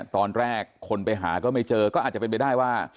ตอนแรกคนไปหาก็ไม่เจอก็อาจจะเป็นไปได้ว่า